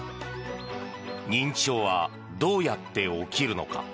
認知症はどうやって起きるのか。